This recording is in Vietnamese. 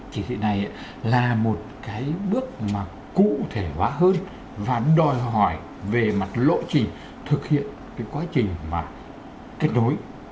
chỉ thị này là một bước cụ thể hóa hơn và đòi hỏi về mặt lộ trình thực hiện quá trình kết nối